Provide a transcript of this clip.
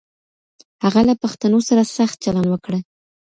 هغه له پښتنو سره سخت چلند وکړ